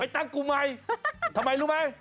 ไปตั้งกลุ่มใหม่ทำไมรู้ไหม